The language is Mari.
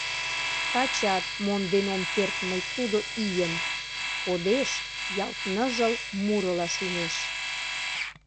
Тачат монден ом керт мый тудо ийым, Кодеш ялт ныжыл мурыла шӱмеш.